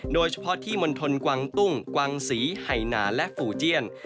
โดยเฉพาะที่มณฑลกวางตุ้งกวางศรีไห่นาและฟูเจียน